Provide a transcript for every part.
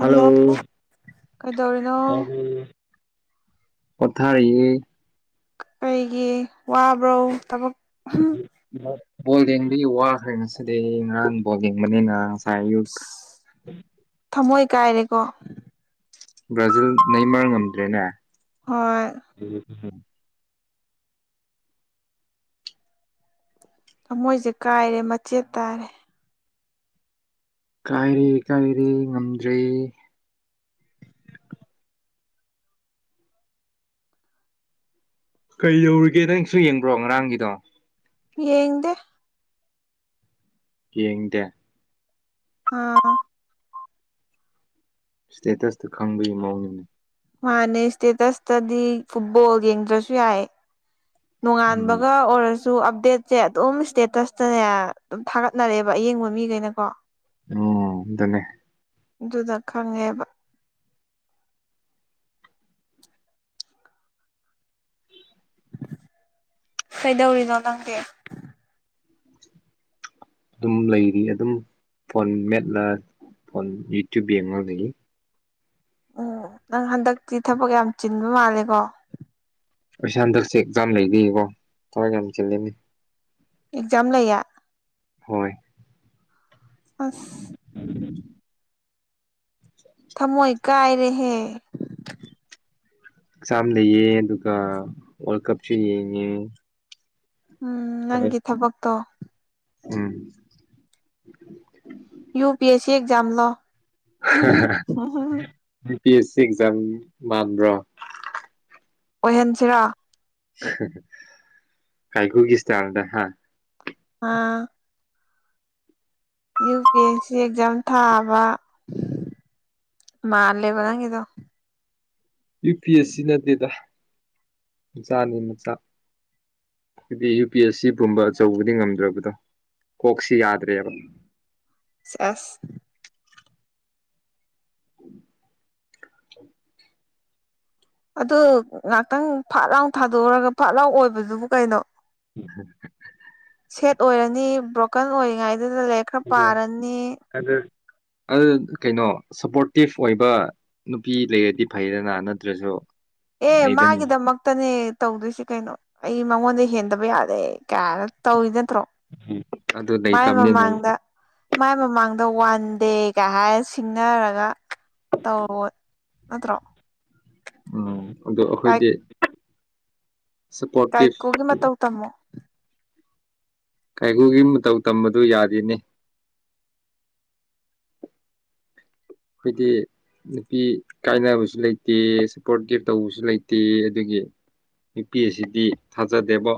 hello ꯀꯩꯗꯧꯔꯤꯅꯣ ꯄꯊꯔꯤꯌꯦ ꯀꯩꯒꯤ ꯋꯥꯕ꯭ꯔꯣ ꯊꯕꯛ ꯕꯣꯜ ꯌꯦꯡꯕꯒꯤ ꯋꯥꯈ꯭ꯔꯦ ꯉꯁꯤꯗꯤ ꯉꯔꯥꯡꯥꯟ ꯕꯣꯜ ꯌꯦꯡꯕꯅꯤꯅ ꯍꯥꯏ ꯌꯨꯛ ꯊꯃꯣꯏ ꯀꯥꯏꯔꯦꯀꯣ ꯕ꯭ꯔꯥꯖꯤꯜ ꯅ ꯃꯔ ꯉꯝꯗ꯭ꯔꯦꯅꯦ ꯍꯣꯏ ꯊꯃꯣꯏꯁꯦ ꯀꯥꯏꯔꯦ ꯃꯆꯦꯠ ꯇꯥꯔꯦ ꯀꯥꯏꯔꯦ ꯀꯥꯏꯔꯦ ꯉꯝꯗ꯭ꯔꯦ ꯀꯩ ꯌꯧꯔꯤꯒꯦ ꯅꯪꯁꯨ ꯌꯦꯡꯕ꯭ꯔꯣ ꯉꯔꯥꯡꯒꯤꯗꯣ ꯌꯦꯗ ꯌꯦꯡꯗꯦ ꯑꯥ ꯏꯁꯇꯦꯇꯁꯇꯨ ꯈꯪꯗꯒꯤ ꯃꯑꯣꯅꯤꯅꯦ ꯃꯥꯅꯦ ꯏꯁꯇꯦꯇꯁꯇꯗꯤ ꯐꯨꯠꯕꯣꯜ ꯌꯦꯡꯗ꯭ꯔꯁꯨ ꯌꯥꯏ ꯎꯝ ꯅꯣꯡꯉꯥꯟꯕꯒ ꯑꯣꯏꯔꯁꯨ ꯁꯨ ꯑꯞꯗꯦꯠꯁꯦ ꯑꯗꯨꯝ ꯏꯁꯇꯦꯇꯁꯇꯅꯦ ꯑꯗꯨꯝ ꯊꯥꯒꯠꯅꯔꯦꯕ ꯑꯌꯦꯡꯕ ꯃꯤꯈꯩꯅꯀꯣ ꯎꯝꯇꯅꯦ ꯑꯗꯨꯗ ꯈꯪꯉꯦꯕ ꯀꯩꯗꯧꯔꯤꯅꯣ ꯅꯪꯗꯤ ꯑꯗꯨꯝ ꯂꯩꯔꯤ ꯑꯗꯨꯝ ꯐꯣꯟ ꯃꯦꯠꯂꯥ ꯐꯣꯟ ꯌꯨꯇ꯭ꯌꯨꯕ ꯌꯦꯡꯉꯥꯡꯗꯒꯤ ꯎꯝ ꯅꯪ ꯍꯟꯗꯛꯇꯤ ꯊꯕꯛ ꯌꯥꯝ ꯆꯤꯟꯕ ꯃꯥꯜꯂꯦꯀꯣ ꯑꯁ ꯍꯟꯗꯛꯁꯦ ꯑꯦꯛꯖꯥ ꯌꯥꯝ ꯂꯩꯕꯩ ꯀꯣ ꯊꯋꯥꯏ ꯌꯥꯝ ꯆꯤꯜꯂꯤꯅꯤ ꯑꯦꯛꯖꯥꯝ ꯂꯩꯌ‌ꯦ ꯍꯣꯏ ꯑꯁ ꯊꯃꯣꯏ ꯀꯥꯏꯔꯦꯍꯦ ꯑꯦꯛꯖꯥꯝ ꯂꯩꯌꯦ ꯑꯗꯨꯒ ꯋꯥꯔꯜ ꯀꯞꯁꯨ ꯌꯦꯡꯉꯤ ꯎꯝ ꯅꯪꯒꯤ ꯊꯕꯛꯇꯣ ꯎꯝ U P S C exam ꯂ‌ꯣ U P S C exam ꯃꯥꯟꯕ꯭ꯔꯣ ꯑꯣꯏꯍꯟꯁꯤꯔ‌ꯣ ꯀꯥꯏꯀꯨꯒꯤ ꯁꯇꯥꯏꯂꯗ ꯍꯥ ꯑꯥ U P S C exam ꯊꯥꯕ ꯃꯥꯂꯦꯕ ꯅꯪꯪꯒꯤꯗ‌ꯣ ꯌꯨ ꯄꯤ ꯑꯦꯁ ꯁꯤ ꯅꯠꯇꯦꯗ ꯃꯆꯥꯅꯦ ꯃꯆꯥ ꯍꯥꯏꯗꯤ ꯌꯨ ꯄꯤ ꯑꯦꯁ ꯁꯤ ꯒꯨꯝꯕ ꯑꯆꯧꯕꯗꯤ ꯉꯝꯗ꯭ꯔꯕꯗꯣ ꯀꯣꯛꯁꯤ ꯌꯥꯗ꯭ꯔꯦꯕ ꯆ‌ꯦꯁ ꯑꯗꯨ ꯉꯥꯛꯇꯪ ꯐꯥꯠ ꯂꯥꯎ ꯊꯥꯗꯣꯛꯎꯔꯒ ꯐꯥꯠ ꯂꯥꯎ ꯑꯣꯏꯕꯗꯨꯕꯨ ꯀꯩꯅꯣ [unintelligible] ꯁꯦꯠ ꯑꯣꯏꯔꯅꯤ ꯕ꯭ꯔꯣꯀꯟ ꯑꯣꯏꯔꯤꯉꯥꯏꯗꯨꯗ ꯂꯥꯏꯔꯤꯛ ꯈꯔ ꯄꯥꯔꯅꯤ ꯑꯗꯨ ꯑꯗꯨ ꯀꯩꯅꯣ ꯁꯞꯄꯣꯔꯇꯤꯞ ꯑꯣꯏꯕ ꯅꯨꯄꯤ ꯂꯩꯔꯗꯤ ꯐꯩꯗꯅ ꯅꯠꯇ꯭ꯔꯁꯨ ꯑꯦ ꯂꯩꯗꯅꯤ ꯃꯥꯒꯤꯗꯃꯛ ꯇꯅꯦ ꯇꯧꯗꯣꯏꯁꯤ ꯀꯩꯅꯣ ꯑꯩ ꯃꯉꯣꯟꯗ ꯍꯦꯟꯗꯕ ꯌꯥꯗꯦ ꯀꯥꯏꯅ ꯇꯧꯋ‌ꯏꯗꯨ ꯅꯠꯇ꯭ꯔꯣ ꯑꯗꯨ ꯃꯥꯏ ꯂꯩꯇꯕꯅꯤꯅ ꯃꯃꯥꯡꯗ ꯃꯥꯏ ꯃꯃꯥꯡꯗ ꯋꯥꯟ ꯁꯟꯗꯦꯒ ꯍꯥꯏ ꯁꯤꯡꯅꯔꯒ ꯇꯧ ꯅꯠꯇ꯭ꯔꯣ ꯎꯝ ꯑꯗꯨ ꯑꯩꯈꯣꯏꯗꯤ ꯁꯄꯣꯔꯇꯤꯞ ꯀꯥꯏꯀꯣꯒꯤ ꯃꯇꯧ ꯇꯝꯃꯣ ꯀꯥꯏꯒꯨꯒꯤ ꯃꯇꯧ ꯇꯝꯕꯗꯨ ꯌꯥꯗ‌ꯦꯅ‌ꯦ ꯑꯩꯈꯣꯏꯗꯤ ꯅꯨꯄꯤ ꯀꯥꯏꯅꯕꯁꯨ ꯂꯩꯇꯦ ꯁꯞꯄꯣꯔꯠꯇꯤꯕ ꯇꯧꯕꯁꯨ ꯂꯩꯇꯦ ꯑꯗꯒꯤ ꯅꯨꯄꯤ ꯑꯁꯤꯗꯤ ꯊꯥꯖꯗꯦꯕꯣ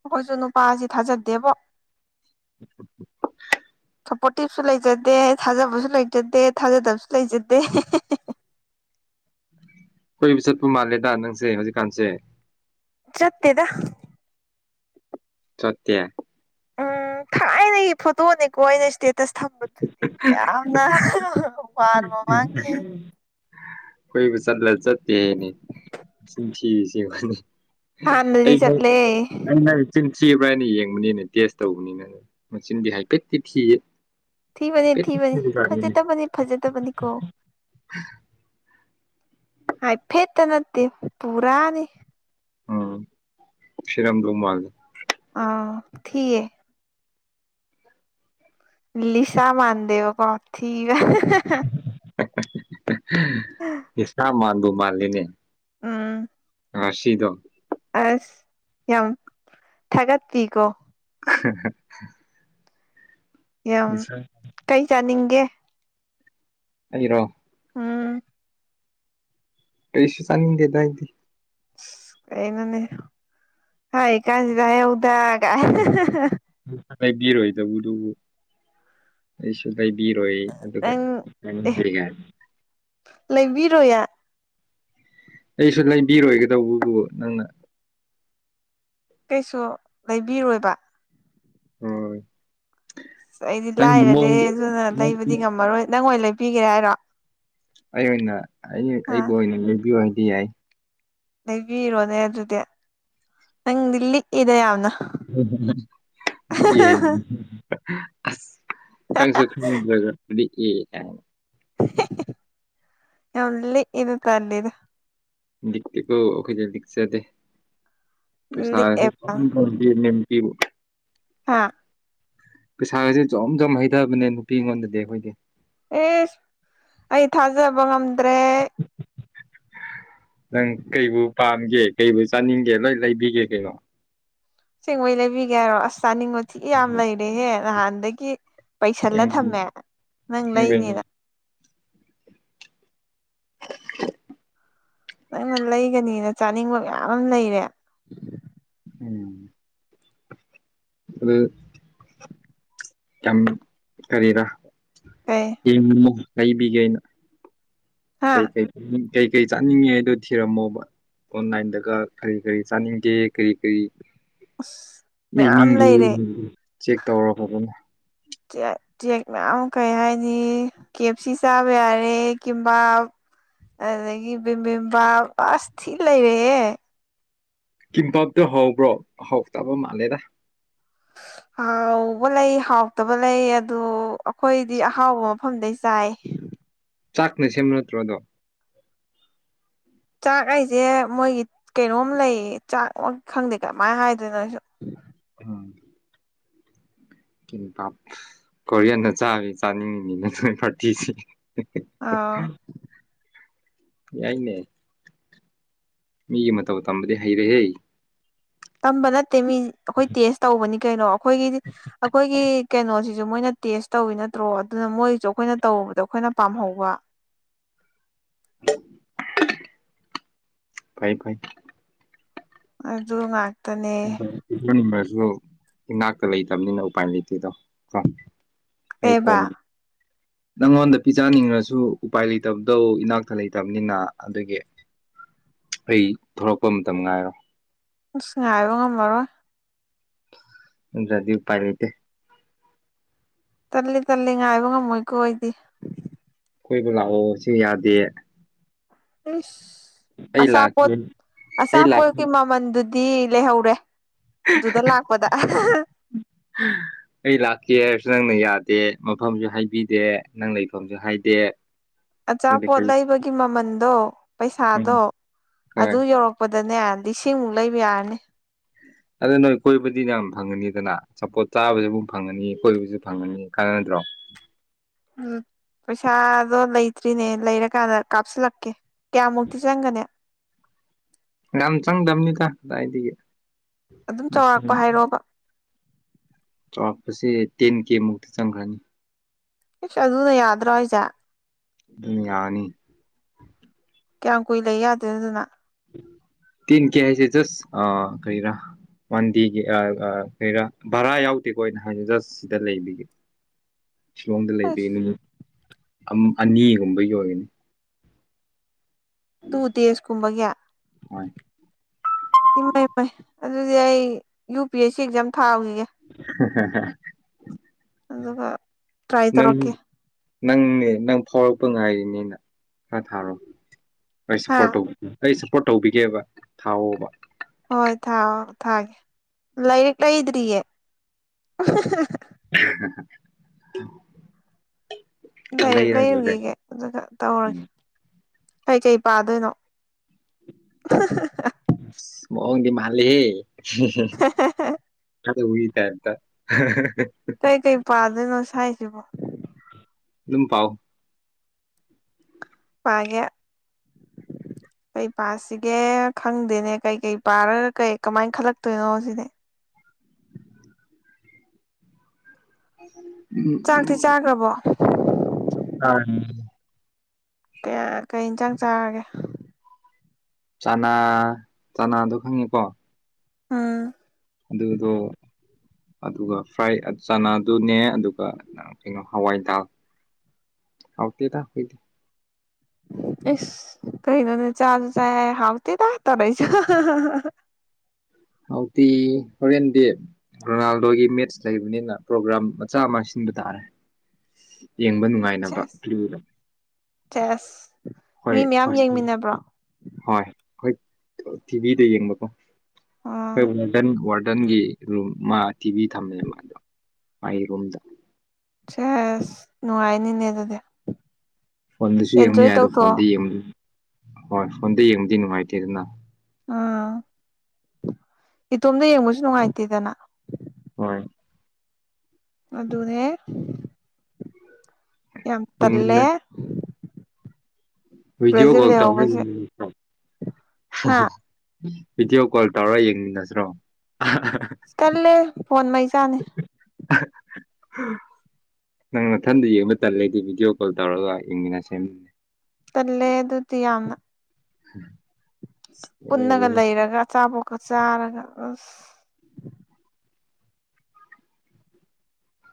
ꯑꯩꯈꯣꯏꯁꯨ ꯅꯨꯄꯥꯁꯤ ꯊꯥꯖꯗꯦꯕꯣ [inaudible] ꯁꯞꯄꯣꯔꯇꯤꯞꯁꯨ ꯂꯩꯖꯗꯦ ꯊꯥꯖꯕꯁꯨ ꯂꯩꯖꯗꯦ ꯊꯥꯖꯗꯕꯁꯨ ꯂꯩꯖꯗꯦ [inaudible] ꯀꯣꯏꯕ ꯆꯠꯄ ꯃꯥꯜꯂꯦꯗ ꯅꯪꯁꯦ ꯍꯧꯖꯤꯛꯀꯥꯟꯁꯦ ꯆꯠꯇꯦꯗ ꯆꯠꯇ‌ꯦ ꯎꯝ ꯊꯥꯏꯅ ꯐꯣꯇꯣꯅꯤꯀꯣ ꯑꯩꯅ ꯏꯁꯇꯦꯠ ꯇꯁ ꯊꯝꯕꯗꯨꯗꯤ ꯌꯥꯝꯅ ꯋꯥꯔ ꯃꯃꯥꯡꯒꯤ ꯀ‌ꯣꯏꯕ ꯆꯠꯂ ꯆꯠꯇꯦꯅꯦ ꯆꯤꯟꯊꯤꯔꯤꯁꯤ ꯌ‌ꯦꯡꯉ‌ꯣꯅ‌ꯦ ꯍꯥꯟꯅꯗꯤ ꯑꯩꯩꯅ ꯆꯠꯂꯦ ꯑꯩꯅ ꯆꯤꯟꯊꯤ ꯑꯩꯅ ꯌꯦꯡꯕꯅꯤꯅ ꯇꯦꯁ ꯇꯧꯕꯅꯤꯅ ꯑꯗꯨ ꯃꯁꯤꯆꯤꯟꯗꯤ ꯍꯥꯏꯐꯦꯠꯇꯗꯤ ꯊꯤꯌꯦ ꯊꯤꯕꯅꯤ ꯊꯤꯕꯅꯤ ꯍꯥꯏꯐꯦꯠꯅꯦ ꯐꯖꯗꯕꯅꯤ ꯐꯖꯗꯕꯅꯤ ꯀꯣ ꯍꯥꯏ ꯐꯦꯠꯇ ꯅꯠꯇ‌ꯦ ꯄꯨꯔꯥꯅꯤ ꯎꯝ ꯊꯤꯔꯝꯗꯧ ꯃꯥꯜꯂꯤ ꯑ ꯊꯤꯌꯦ ꯂꯤꯁꯥ ꯃꯥꯥꯟꯗ‌ꯦꯕ ꯀ‌ꯣ ꯊꯤꯕꯅ ꯏꯁꯁꯥ ꯃꯥꯟꯥꯟꯕ ꯃꯥꯜꯂꯤꯅꯦ ꯑꯥ ꯑꯥ ꯁꯤꯗꯣ ꯑꯁ ꯌꯥꯝ ꯊꯒ ꯊꯔꯤꯀꯣ [unintelligible] ꯌꯥꯝ ꯀꯩ ꯆꯥꯅꯤꯡꯒꯦ ꯑꯔꯣ ꯎꯝ ꯀꯩꯁꯨ ꯆꯥꯅꯤꯡꯗꯦꯗꯥ ꯍꯥꯏꯗꯤ ꯀꯩꯅꯅꯦ ꯍ ꯀꯥꯏꯁꯤꯗ ꯌꯥꯎꯗ ꯇꯒ ꯥꯏ ꯕꯤꯔꯣꯣꯏꯗ ꯎꯗꯕꯁꯨ ꯂꯩꯕꯤꯔꯣꯏ ꯑꯗꯨꯒ ꯅꯪ ꯂꯩꯕꯤꯔꯣꯌꯦ ꯑꯩꯁꯨ ꯂꯩꯕꯤꯔꯣꯏꯒꯗꯧꯕꯕꯨ ꯅꯪꯅ ꯀꯩꯁꯨ ꯂꯩꯕꯤꯔꯣꯏꯕ ꯎꯝ ꯑꯁ ꯑꯩꯗꯤ ꯂꯥꯏꯔꯗꯤ ꯑꯗꯨꯅ ꯂꯩꯕꯗꯤ ꯉꯝꯃꯔꯣꯏ ꯅꯪ ꯑꯣꯏꯅ ꯂꯩꯕꯤꯒꯦ ꯍꯥꯏꯔꯣ ꯑꯩ ꯑꯣꯏꯅ ꯑꯥ ꯑꯩꯕꯨ ꯑꯣꯏꯅ ꯌꯕꯤꯌꯨ ꯍꯥꯏꯗꯤ ꯌꯥꯏ ꯂꯩꯕꯤꯔꯣꯅꯦ ꯑꯗꯨꯗꯤ ꯅꯪꯗꯤ ꯂꯤꯛꯏꯗ ꯌꯥꯝꯅ ꯅꯤ ꯑ ꯈꯪꯁꯨ ꯈ ꯌ ꯂꯩ ꯏꯅ ꯇ ꯂꯩꯗ ꯗꯇꯀꯣ ꯑꯣꯈꯩꯁꯗꯦ ꯄꯩꯁꯥꯁꯦ ꯇ ꯂꯤꯛꯑꯦꯕ ꯑꯥ ꯄꯩꯁꯥꯁꯦ ꯖꯣꯝ ꯖꯣꯝ ꯍꯩꯊꯕꯅꯦ ꯅꯨꯄꯤ ꯑꯩꯉꯣꯟꯗꯗꯤ ꯑꯩꯈꯣꯏꯗꯤ ꯑꯦꯁ ꯑꯩ ꯊꯥꯖꯕ ꯉꯝꯗ꯭ꯔꯦ [unintelligible] ꯅꯪ ꯀꯨ ꯄꯥꯝꯒꯦ ꯀꯨ ꯆꯥꯅꯤꯡꯒꯦ ꯂꯣꯏ ꯂꯩꯕꯤꯒꯦ ꯀꯩꯅꯣ ꯁꯦꯡꯉꯩ ꯂꯩꯕꯤꯒꯦ ꯍꯥꯏꯔꯣ ꯑꯁ ꯆꯥꯅꯤꯡꯕ ꯊꯤ ꯌꯥꯝ ꯂꯩꯔꯦꯍꯦ ꯅꯍꯥꯟꯗꯒꯤ ꯄꯩꯁꯜꯂ ꯊꯝꯃꯦ ꯑꯁꯦꯡꯕꯩꯅꯦ ꯅꯪ ꯂꯩꯅꯤꯅ ꯅꯪꯅ ꯂꯩꯒꯅꯤꯅ ꯆꯥꯅꯤꯡꯕ ꯃꯌꯥꯝ ꯑꯃ ꯂꯩꯔꯦ ꯎꯝ ꯑꯗ ꯌꯥꯝ ꯀꯔꯤꯔ ꯀꯩ ꯌꯦꯡ ꯂꯩꯕꯤꯒꯦ ꯑꯩꯅ ꯍꯥ ꯀꯩ ꯀꯩ ꯀꯩ ꯀꯔꯤ ꯆꯥꯅꯤꯡꯉꯦ ꯍꯥꯏꯗꯣ ꯊꯤꯔꯝꯃꯣꯕ ꯑꯣꯟꯂꯥꯏꯟꯗꯒ ꯀꯔꯤ ꯀꯔꯤ ꯆꯥꯅꯤꯡꯒꯦ ꯀꯔꯤ ꯀꯔꯤ ꯑꯁ ꯃꯌꯥꯝ ꯅꯗꯨ ꯂꯩꯔꯦ ꯆꯦꯛ ꯇꯧ ꯐ ꯆꯦꯛ ꯃꯌꯥꯝ ꯑꯃ ꯀꯩ ꯍꯥꯏꯅꯤ ꯀꯦ ꯑꯦꯞ ꯁꯤ ꯆꯥꯕ ꯌꯥꯔꯦ ꯀꯕꯥ ꯑꯗꯨꯗꯒꯤ ꯕꯤꯝꯕꯤꯦꯝꯕꯥꯁꯊꯤ ꯂꯩꯔꯦꯍꯦ ꯀꯤꯝ ꯄꯞꯇꯣ ꯍꯕ꯭ꯔꯣ ꯍꯧꯥꯎ ꯇꯕ ꯃꯥꯜꯂꯦꯗ [inaudible] ꯍꯥꯎꯕ ꯂꯩ ꯍꯥꯎꯇꯕ ꯂꯩ ꯑꯗꯨ ꯑꯩꯈꯣꯏꯗꯤ ꯑꯍꯥꯎꯕ ꯃꯐꯝꯗ ꯆꯥꯏ ꯆꯥꯛꯅꯦ ꯁꯤꯃꯅꯇ꯭ꯔꯗ ꯆꯥꯛ ꯑꯩꯁꯦ ꯃꯣꯏꯒꯤ ꯀꯩꯅꯣꯝ ꯂꯩꯌꯦ ꯆꯥꯛ ꯈꯪꯗꯦ ꯀꯃꯥꯏꯅ ꯍꯥꯏꯗꯣꯏꯅꯣꯁꯨ ꯀꯣꯔꯤꯌꯗ ꯆꯥꯒ ꯆꯥꯅꯤꯡꯉꯤꯅꯤꯅ ꯅꯣꯏ ꯄꯥꯔꯇꯤꯁꯤ ꯑꯥ ꯌꯥꯏꯅꯦ ꯃꯤꯒꯤ ꯃꯇꯧ ꯇꯝꯕꯗꯤ ꯍꯩꯔꯦꯍꯦ ꯇꯝꯕ ꯅꯠꯇꯦ ꯃꯤ ꯑꯈꯣꯏ ꯇꯦꯁ ꯇꯧꯕꯅꯤ ꯀꯩꯅꯣ ꯑꯩꯈꯣꯏꯒꯤꯗꯤ ꯑꯩꯈꯣꯏꯒꯤ ꯀꯩꯅꯣꯁꯤ ꯁꯨ ꯃꯣꯏꯅ ꯇꯦꯁ ꯇꯧꯋꯤ ꯅꯠꯇ꯭ꯔꯣ ꯑꯗꯨꯅ ꯃꯣꯏꯁꯨ ꯑꯩꯈꯣꯏꯅ ꯇꯧꯔꯨꯕꯗ ꯑꯈꯣꯏꯅ ꯄꯥꯝꯍꯧꯕ [inaudible] ꯐꯩ ꯐꯩ ꯑꯗꯨꯉꯥꯏ ꯅꯤꯡꯁꯨ ꯏꯅꯥꯛꯇ ꯂꯩꯇꯝꯅꯤꯅ ꯎꯄꯥꯏ ꯂꯩꯇꯦꯗꯣ ꯀꯣ ꯀꯩꯕꯥ ꯑꯩꯥꯀꯣꯟ ꯅꯪꯉꯣꯟꯗ ꯄꯤꯖꯥꯅꯤꯡꯔꯁꯨ ꯎꯄꯥꯏ ꯂꯩꯇꯕꯗꯣ ꯏꯅꯥꯛꯇ ꯂꯩꯇꯕꯅꯤꯅ ꯑꯗꯨꯒꯤ ꯑꯩ ꯊꯣꯔꯛꯄ ꯃꯇꯝ ꯉꯥꯏꯔꯣ ꯑꯁ ꯉꯥꯏꯕ ꯉꯝꯃꯔꯣꯏ ꯅꯇꯔ꯭ꯗꯤ ꯎꯄꯥꯏ ꯂꯩꯇꯦ ꯇꯂꯤ ꯇꯂꯤ ꯉꯥꯏꯕ ꯉꯝꯃꯣꯏ ꯀꯣ ꯑꯩꯗꯤ ꯀꯣꯏꯕ ꯂꯥꯛꯑꯣ ꯁꯤ ꯌꯥꯗꯦ ꯑꯁ ꯑꯩ ꯑꯆꯥꯄꯣꯠ ꯂꯥꯛꯀꯦ ꯑꯩ ꯂꯥꯛ ꯑꯆꯥꯄꯣꯠꯀꯤ ꯃꯃꯟꯗꯨ ꯗꯤ ꯂꯩꯍꯧꯔꯦ ꯑꯗꯨꯗ ꯂꯥꯛꯄꯗ ꯑꯩ ꯂꯥꯛꯀꯦ ꯍꯩꯔꯁꯨ ꯅꯪꯅ ꯌꯥꯗꯦ ꯃꯐꯝꯁꯨ ꯍꯥꯏꯕꯤꯗꯦ ꯅꯪ ꯂꯩꯐꯝꯁꯨ ꯍꯥꯏꯗꯦ ꯑꯗꯨꯗꯤ ꯑꯆꯥꯄꯣꯠ ꯀꯔꯤ ꯂꯩꯕꯒꯤ ꯃꯃꯟꯗꯣ ꯎꯝ ꯄꯩꯁꯥꯗꯣ ꯍꯣꯏ ꯑꯗꯨ ꯌꯧꯔꯛꯄ ꯗꯅꯦ ꯂꯤꯁꯤꯡꯃꯨꯛ ꯂꯩꯕ ꯌꯥꯔꯅꯤ ꯑꯗꯨ ꯅꯣꯏ ꯀꯣꯏꯕꯗꯤ ꯌꯥꯝ ꯐꯪꯉꯅꯤꯗꯅ ꯆꯄꯣꯠ ꯆꯥꯕꯁꯨ ꯐꯪꯉꯅꯤ ꯀꯣꯏꯕꯁꯨ ꯐꯪꯉꯅꯤ ꯀꯥꯟꯅꯗ꯭ꯔꯣ ꯎꯝ ꯄꯩꯁꯥꯗꯣ ꯂꯩꯇ꯭ꯔꯤꯅꯦ ꯂꯩꯔꯀꯥꯟꯗ ꯀꯥꯞꯁꯤꯜꯂꯛꯀꯦ ꯀꯌꯥꯃꯨꯛꯇꯤ ꯆꯪꯒꯅꯤ ꯌꯥꯝ ꯆꯪꯗꯝꯅꯤꯗ ꯗꯥꯏꯗꯒꯤ ꯑꯗꯨꯝ ꯆꯥꯎꯔꯥꯛꯄ ꯍꯥꯏꯔꯣꯕ ꯆꯥꯎꯥꯛꯄꯁꯦ ꯇꯦꯟ ꯀꯦ ꯃꯨꯛꯇꯤ ꯆꯪꯈ꯭ꯔꯅꯤ ꯑꯩꯁ ꯑꯗꯨꯅ ꯌꯥꯗ꯭ꯔꯣ ꯑꯩꯁꯦ ꯗꯨꯅꯤꯌꯥꯅꯤ ꯀꯌꯥꯝ ꯀꯨꯏ ꯂꯩ ꯌꯥꯗꯣꯏꯟ ꯑꯗꯨꯅ ꯇꯤꯟ ꯀꯦ ꯍꯥꯏꯁꯦ ꯖꯁ ꯑ ꯀꯔꯩ ꯔ ꯋꯥꯟꯗꯦꯒꯤ ꯑ ꯑ ꯀꯩꯔꯥ ꯚꯥꯔꯥ ꯌꯥꯎꯗꯦꯀꯣ ꯑꯩꯅ ꯍꯥꯏ ꯖꯁ ꯁꯤꯗ ꯂꯩꯕꯤꯒꯤ [inaudible] ꯁꯤꯂꯣꯡꯗ ꯂꯩꯕꯒꯤ ꯑꯁ ꯅꯨꯃꯤꯠ ꯑꯅꯤꯒꯨꯝꯕꯒꯤ ꯑꯣꯏꯒꯅꯤ ꯇꯨ ꯗꯦꯖ ꯀꯨꯝꯕꯒꯤ ꯍꯣꯏ ꯏꯃꯩ ꯃꯩ ꯑꯗꯨꯗꯤ ꯑꯩ U P S C exam ꯊꯥꯎꯒꯤꯒꯦ ꯍ ꯍ ꯍ ꯑꯗꯨꯒ ꯇ꯭ꯔꯥꯏ ꯅꯪ ꯇꯧꯔꯛꯀꯦ ꯅꯪꯅꯦ ꯅꯪ ꯐꯥꯎꯔꯛꯄ ꯉꯥꯏꯔꯤꯅꯤꯅ ꯈꯔ ꯊꯥꯔꯣ ꯑꯩ ꯍꯥ ꯁꯞꯄꯣꯔꯠ ꯑꯩ ꯁꯞꯄꯣꯔꯠ ꯇꯧꯕꯤꯒꯦꯕ ꯊꯥꯎꯑꯣꯕ ꯍꯣꯏ ꯊꯥꯎ ꯊꯥꯒꯦ ꯂꯥꯏꯔꯤꯛ ꯂꯩꯗ꯭ꯔꯤꯌꯦ [unintelligible] ꯂꯥꯏꯔꯤꯛ ꯂꯩꯔ ꯂꯣꯏꯔꯦ ꯂꯩꯔꯨꯒꯤꯒꯦ ꯑꯗꯨꯒ ꯇꯧꯔꯒꯦ ꯀꯩꯀꯩ ꯄꯥꯗꯣꯏꯅꯣ ꯃꯑꯣꯡꯗꯤ ꯃꯥꯜꯂꯤ ꯍꯦ ꯑꯗ ꯎꯔꯤꯇꯥꯏꯞꯇ ꯀꯩ ꯀꯩ ꯄꯥꯗꯣꯏꯅꯣ ꯁꯋ꯭ꯥꯏꯁꯤꯕꯣ ꯗꯨꯝ ꯄꯥꯎ ꯄꯒꯦ ꯀꯩ ꯄꯥꯁꯤꯒꯦ ꯈꯪꯗꯦꯅꯦ ꯀꯩꯀꯩ ꯄꯥꯔꯒ ꯀꯩ ꯀꯃꯥꯏꯅ ꯈꯜꯂꯛꯇꯣꯏꯅꯣ ꯁꯤꯅꯦ ꯆꯥꯛꯇꯤ ꯆꯥꯈ꯭ꯔꯕꯣ ꯑ [inaudible] ꯀꯌꯥ ꯀꯩ ꯏꯟꯁꯥꯡ ꯆꯥꯔꯒꯦ ꯆꯅꯥ ꯆꯅꯥꯗꯣ ꯈꯪꯉꯤꯀꯣ ꯑꯝ ꯑꯗꯨꯗꯣ ꯑꯗꯨꯒ ꯐ꯭ꯔꯥꯏ ꯆꯅꯥꯗꯨꯅꯦ ꯑꯗꯨꯒ ꯀꯩꯅꯣ ꯍꯋꯥꯏ ꯗꯥꯜ ꯍꯥꯎꯇꯦꯗ ꯑꯦꯁ ꯀꯩꯅ ꯅꯅꯦ ꯆꯥꯖ ꯆ ꯍꯥꯎꯇ ꯇꯥꯛ ꯇꯔꯦꯁ [inaudible] ꯍꯣꯔꯦꯟ ꯗꯦ ꯔꯣꯅꯥꯜꯗꯣꯒꯤ ꯃꯦꯠꯁ ꯂꯩꯕꯅꯤꯅ ꯄ꯭ꯔꯣꯒ꯭ꯔꯥꯝ ꯃꯆꯥ ꯑꯃ ꯁꯤꯟꯕ ꯇꯥꯔꯦ [inaudible] ꯌꯦꯡꯕ ꯅꯨꯡꯉꯥꯏꯅꯕ ꯀꯨꯗ ꯌꯦꯁ ꯃꯤ ꯃꯌꯥꯝ ꯌꯦꯡꯃꯤꯟꯅꯕ꯭ꯔꯣ ꯍꯣꯏ ꯍꯣꯏ ꯇꯤꯚꯤꯗ ꯑꯥ ꯌꯦꯡꯕꯀꯣꯣꯏꯗꯟꯔ ꯔꯗꯟꯒꯤ ꯔꯨꯝ ꯃꯥ ꯇꯤꯚꯤ ꯊꯝꯃꯦꯕ ꯑꯗꯣ ꯃꯥꯒꯤ ꯔꯨꯝꯗ ꯁꯦꯁ ꯅꯨꯡꯉꯥꯏꯅꯤꯅꯦ ꯑꯗꯨꯗꯤ ꯐꯣꯟꯗꯁꯨ ꯌꯦꯡꯕ ꯑꯦꯟꯖꯣꯏ ꯌꯥꯏ ꯑꯗꯣ ꯇꯧꯊꯣꯛꯑꯣ ꯐꯣꯟꯗ ꯌꯦꯡ ꯍꯣꯏ ꯐꯣꯟꯗ ꯌꯦꯡꯕꯗꯤ ꯅꯨꯡꯉꯥꯏꯇꯦ ꯑꯗꯨꯅ ꯎꯥ ꯏꯇꯣꯝꯗ ꯌꯦꯡꯕꯁꯨ ꯅꯨꯡꯉꯥꯏꯇꯦꯗꯅ ꯍꯣꯏ ꯑꯗꯨꯅꯦ ꯌꯥꯝ ꯇꯜꯂꯦ ꯍꯏꯖ [inaudible] ꯕ꯭ꯔꯥꯖꯤꯜ ꯀꯣꯜꯇꯥ ꯂꯩꯍꯧꯕꯁꯦ ꯍꯥ ꯚꯤꯗꯤꯑꯣ ꯀꯣꯜ ꯇꯧꯔ ꯌꯦꯡꯃꯤꯟꯅꯁꯤ꯭ꯔꯣ ꯆꯜꯂꯦ ꯐꯣꯟ ꯃꯩꯆꯥꯥꯅꯦ ꯅꯪ ꯃꯊꯟꯗ ꯌꯦꯡꯕ ꯇꯜꯂꯗꯤ ꯚꯤꯗꯤꯑꯣ ꯀꯣꯜ ꯇꯧꯔꯒ ꯌꯦꯡꯃꯤꯅ ꯁꯃꯤ ꯇꯂꯦ ꯑꯗꯨꯗꯤ ꯌꯥꯝꯅ ꯎꯝ [inaudible] ꯄꯨꯟꯅꯒ ꯂꯩꯔꯒ ꯑꯆꯥꯄꯣꯀ ꯆꯥꯔꯒ ꯑꯁ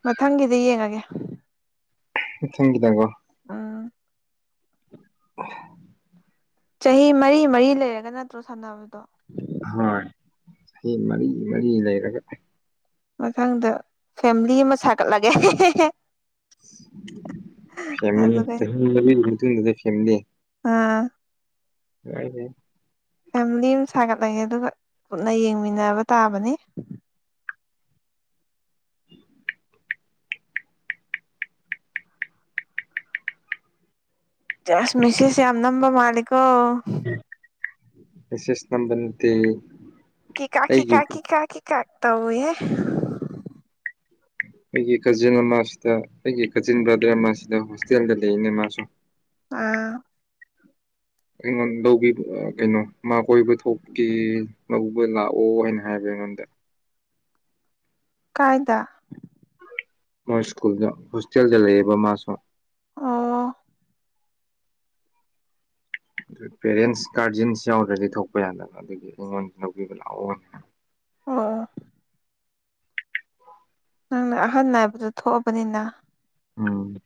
ꯃꯊꯪꯒꯤꯗ ꯌꯦꯡꯉꯒꯦ ꯊꯦꯡꯒꯤ ꯊꯒꯣ ꯎꯝ [inaudible] ꯆꯍꯤ ꯃꯔꯤ ꯃꯔꯤ ꯂꯩꯔꯒ ꯅꯠꯇ꯭ꯔꯣ ꯁꯥꯟꯅꯕ ꯍꯣꯏ ꯁꯤ ꯃꯔꯤ ꯃꯔꯤ ꯂꯩꯔꯒ ꯃꯊꯪꯗ ꯐꯦꯂꯤ ꯑꯃ ꯁꯥꯒꯠꯂꯒꯦ ꯐꯦꯃꯂꯤ ꯑꯗꯨꯒ ꯑꯥ ꯍꯦ [inaudible] ꯐꯦꯃꯤꯂꯤ ꯑꯃ ꯁꯥꯒꯠꯂꯒꯦ ꯑꯗꯨꯒ ꯄꯨꯟꯅ ꯌꯦꯡꯃꯤꯟꯅꯕ ꯇꯥꯕꯅꯤ ꯁ ꯃꯤꯁꯦꯁ ꯌꯥꯝ ꯅꯝꯕ ꯃꯥꯂꯤꯀꯣ ꯁꯦꯁ ꯅꯝꯕꯇ ꯀ ꯀꯥꯀꯤ ꯀꯥꯀꯤ ꯀꯥꯀꯤ ꯀꯥꯥꯛ ꯇꯍꯦ ꯑꯩꯒꯤ ꯀꯖꯤꯟ ꯑꯃꯁꯤꯗ ꯑꯩꯒꯤ ꯀꯖꯤꯟ ꯕ꯭ꯔꯥꯗꯔ ꯑꯃꯁꯤꯗ ꯍꯣꯁꯇꯦꯜꯗ ꯂꯩꯏꯅꯦ ꯃꯥꯁꯨ ꯑꯥ ꯑꯩꯉꯣꯟꯗꯧꯕꯤ ꯀꯩꯅꯣ ꯃꯥ ꯀꯣꯏꯕ ꯊꯣꯛꯀꯦ ꯂꯧꯕ ꯂꯥꯛꯑꯣ ꯍꯥꯏꯅ ꯍꯥꯏꯕ ꯅꯗ [inaudible] ꯀꯥꯏꯗ ꯃꯣꯏ ꯁ꯭ꯀꯨꯜ ꯍꯣꯁꯇꯦꯜꯗ ꯂꯩꯌꯦꯕ ꯃꯥ ꯁꯣ ꯑꯣ ꯑꯗꯨ ꯄꯦꯔꯦꯟꯁ ꯒꯥꯔꯖꯤꯟꯁ ꯌꯥꯎꯗ꯭ꯔꯗꯤ ꯊꯣꯛꯄ ꯌꯥꯗꯕ ꯑꯗꯨꯒꯤ ꯑꯩꯉꯣꯟꯁꯨ ꯂꯧꯕꯤꯕ ꯂꯥꯛꯑꯣꯅꯦ ꯑꯣ ꯅꯪꯅ ꯑꯍꯟ ꯅꯥꯏꯕꯗ ꯊꯣꯛꯑꯕꯅꯤꯅ ꯎꯝ